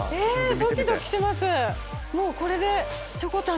ドキドキしてます！